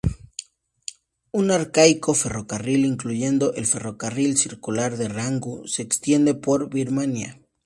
Un arcaico ferrocarril, incluyendo el Ferrocarril Circular de Rangún, se extiende por Birmania.